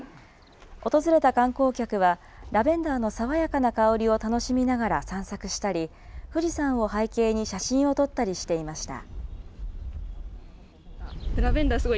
訪れた観光客は、ラベンダーの爽やかな香りを楽しみながら散策したり、富士山を背景に写真を撮ったりしていました。